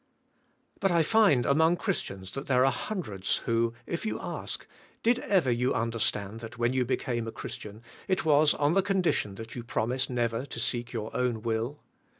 But I find among Christians that there are hundreds, who, if you ask, "Did ever you understand that when you became a Christian it was on the condition that you promise never to seek j^our own will?"